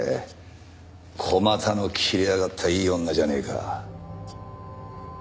小股の切れ上がったいい女じゃねえか。